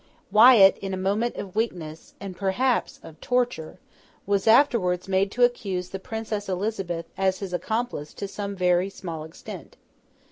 Wyat, in a moment of weakness (and perhaps of torture) was afterwards made to accuse the Princess Elizabeth as his accomplice to some very small extent.